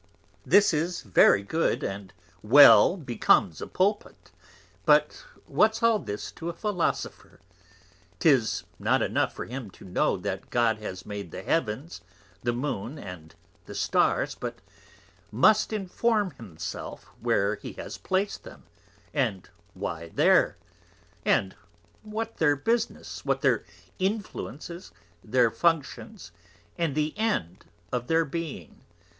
This is very Good, and well becomes a Pulpit; but what's all this to a Philosopher? 'Tis not enough for him to know that God has made the Heavens, the Moon, and the Stars, but must inform himself where he has plac'd them, and why there; and what their Business, what their Influences, their Functions, and the End of their Being.